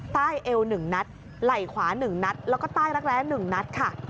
เอว๑นัดไหล่ขวา๑นัดแล้วก็ใต้รักแร้๑นัดค่ะ